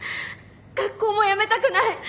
学校もやめたくない。